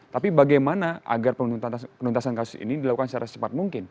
tapi bagaimana agar penuntasan kasus ini dilakukan secara secepat mungkin